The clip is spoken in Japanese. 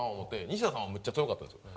西田さんはめっちゃ強かったんですよ。